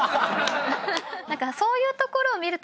そういうところを見ると安心します。